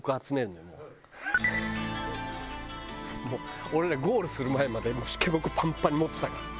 もう俺らゴールする前までしけもくパンパンに持ってたからね。